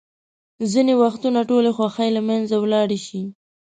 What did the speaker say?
ځینې وختونه ټولې خوښۍ له منځه ولاړې شي.